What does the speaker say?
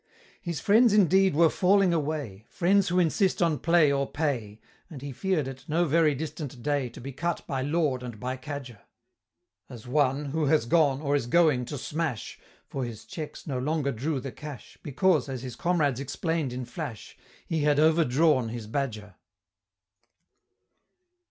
His friends, indeed, were falling away Friends who insist on play or pay And he fear'd at no very distant day To be cut by Lord and by cadger, As one, who has gone, or is going, to smash, For his checks no longer drew the cash, Because, as his comrades explain'd in flash, "He had overdrawn his badger."